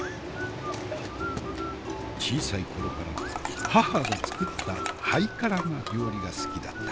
小さい頃に母が作ったハイカラな料理が好きだった。